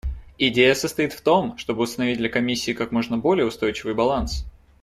Идея состоит в том, чтобы установить для Комиссии как можно более устойчивый баланс.